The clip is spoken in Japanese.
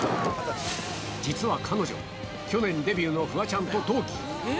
実は彼女、去年でビューのフワちゃんと同期。